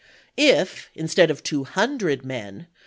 If, instead of two hun p. loe." dred men.